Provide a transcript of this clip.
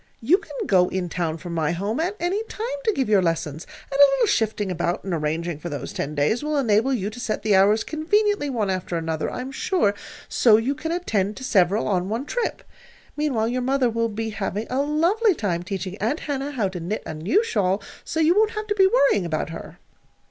"You can go in town from my home at any time to give your lessons, and a little shifting about and arranging for those ten days will enable you to set the hours conveniently one after another, I am sure, so you can attend to several on one trip. Meanwhile your mother will be having a lovely time teaching Aunt Hannah how to knit a new shawl; so you won't have to be worrying about her."